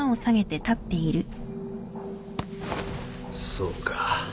そうか。